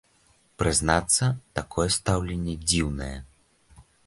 Прызнацца, такое стаўленне дзіўнае.